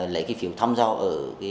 lấy phiếu thăm giao ở